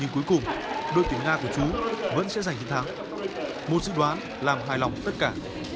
nhưng cuối cùng đội tuyển nga của chú vẫn sẽ giành chiến thắng một dự đoán làm hài lòng tất cả